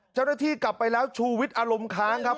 เจ้าหน้าที่กลับไปแล้วชูวิทย์อารมณ์ค้างครับ